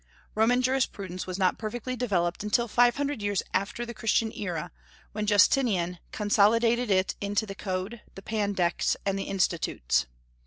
Roman jurisprudence was not perfectly developed until five hundred years after the Christian era, when Justinian consolidated it into the Code, the Pandects, and the Institutes.